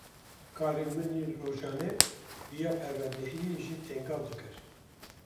Karên min yên rojane, riya perwerdehiyê jî tengav dikir